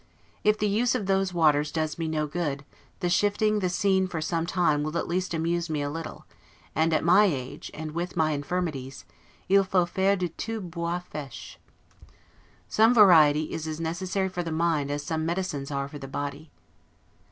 If the use of those waters does me no good, the shifting the scene for some time will at least amuse me a little; and at my age, and with my infirmities, 'il faut faire de tout bois feche'. Some variety is as necessary for the mind as some medicines are for the body.